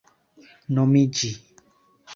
nomiĝi